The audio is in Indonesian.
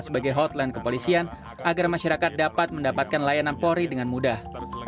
sebagai hotline kepolisian agar masyarakat dapat mendapatkan layanan polri dengan mudah